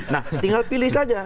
nah tinggal pilih saja